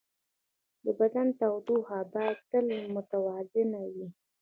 د بدن تودوخه باید تل متوازنه وي.